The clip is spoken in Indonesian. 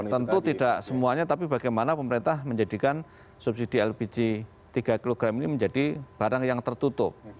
tentu tidak semuanya tapi bagaimana pemerintah menjadikan subsidi lpg tiga kg ini menjadi barang yang tertutup